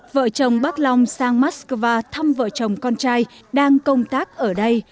vợ chồng bác long sang moscow thăm vợ chồng con trai đang công tác ở đây